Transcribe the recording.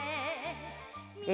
え